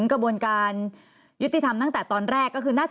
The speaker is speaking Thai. กระบวนการยุติธรรมตั้งแต่ตอนแรก